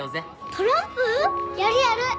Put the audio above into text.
トランプ？やるやる！